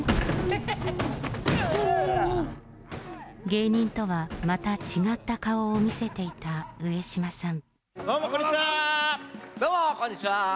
芸人とはまた違った顔を見せていた上島さん。